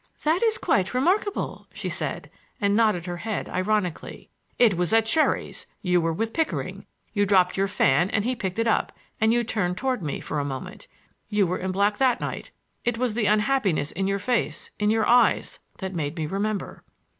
"That is quite remarkable," she said, and nodded her head ironically. "It was at Sherry's; you were with Pickering—you dropped your fan and he picked it up, and you turned toward me for a moment. You were in black that night; it was the unhappiness in your face, in your eyes, that made me remember."